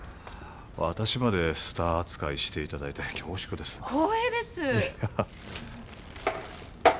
私までスター扱いしていただいて恐縮です光栄です